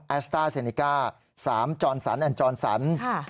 ๒แอสต้าเซนิกา๓จอนสันจอนสัน